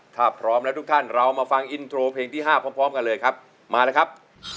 ถ้าพร้อมแล้วทุกท่านเรามาฟังอินโทรเพลงที่๕พร้อมกันเลยครับมาเลยครับ